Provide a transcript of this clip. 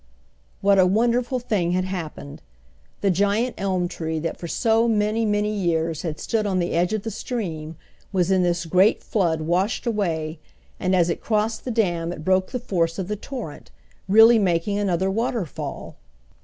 What a wonderful thing had happened! The giant elm tree that for so many, many years had stood on the edge of the stream, was in this great flood washed away, and as it crossed the dam it broke the force of the torrent, really making another waterfall.